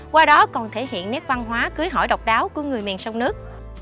qua đó còn thể hiện nét văn hóa cưới hỏi độc đáo của người miền sông nước